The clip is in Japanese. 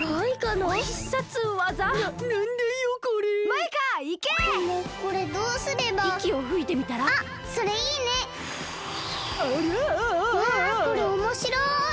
わこれおもしろい！